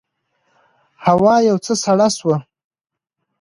هوا یو څه سړه شوه.